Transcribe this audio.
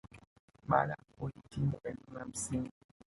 Baada ya kuhitimu elimu ya msingi